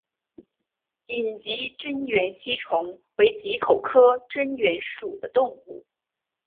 隐棘真缘吸虫为棘口科真缘属的动物。